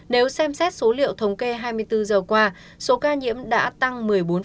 nếu xem xét số liệu thống kê hai mươi bốn giờ qua số ca nhiễm đã tăng một mươi bốn